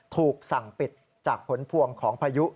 ถูกสั่งปิดจากผลพวงของพายุ